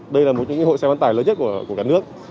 đây là một trong những hội xe bán tải lớn nhất của cả nước